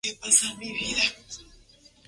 Comenzó en las inferiores.